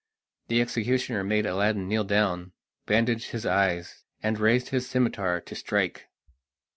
The executioner made Aladdin kneel down, bandaged his eyes, and raised his scimitar to strike.